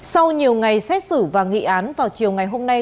sau nhiều ngày xét xử và nghị án vào chiều ngày hôm nay